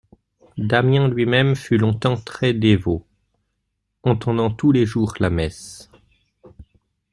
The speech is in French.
Damiens lui-même fut longtemps très-dévot, entendant tous les jours la messe.